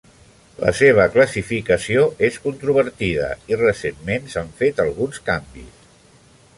La seva classificació és controvertida i, recentment, s'han fet alguns canvis.